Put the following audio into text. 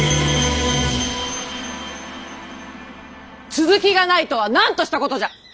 続きがないとは何としたことじゃ！